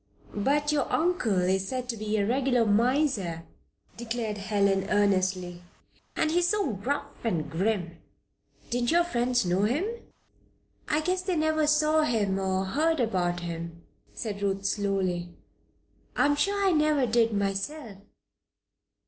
"But your uncle is said to be a regular miser," declared Helen, earnestly. "And he is so gruff and grim! Didn't your friends know him?" "I guess they never saw him, or heard much about him," said Ruth, slowly. "I'm sure I never did myself."